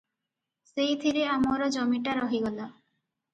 ସେଇଥିରେ ଆମର ଜମିଟା ରହିଗଲା ।